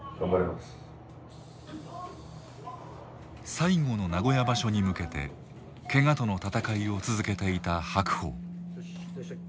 最後の名古屋場所に向けてケガとの闘いを続けていた白鵬。